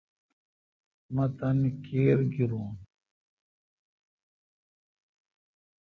مہتانی کھِر گیرون۔